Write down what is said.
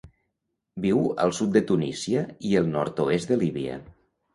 Viu al sud de Tunísia i el nord-oest de Líbia.